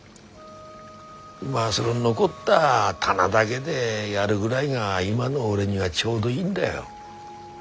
まあその残った棚だげでやるぐらいが今の俺にはちょうどいいんだよ。